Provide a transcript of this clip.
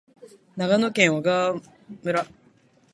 長野県小川村